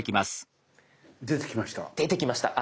出てきました。